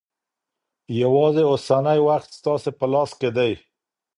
یوازې اوسنی وخت ستاسې په لاس کې دی.